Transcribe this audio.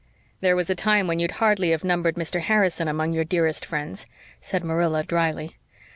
"There was a time when you'd hardly have numbered Mr. Harrison among your dearest friends," said Marilla drily.